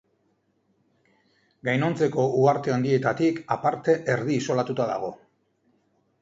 Gainontzeko uharte handietatik aparte erdi isolatua dago.